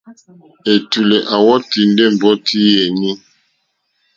Ɛ̀tùlɛ̀ à wɔ́tɔ̀ ɛ̀mbɔ́tí yèní.